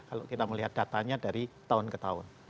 kalau kita melihat datanya dari tahun ke tahun